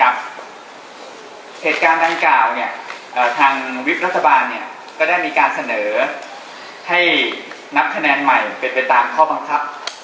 เหตุการณ์ดังกล่าวทางวิบรัฐบาลก็ได้มีการเสนอให้นับคะแนนใหม่เป็นไปตามข้อบังคับ